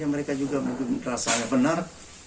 mereka juga mungkin merasa benar